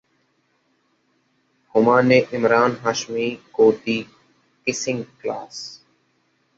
हुमा ने इमरान हाशमी को दी किसिंग क्लास